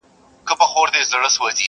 زلمي خوبونو زنګول کیسې به نه ختمېدي،